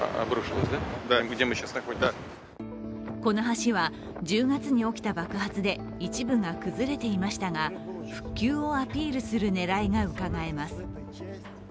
この橋は１０月に起きた爆発で一部が崩れていましたが復旧をアピールする狙いがうかがえます。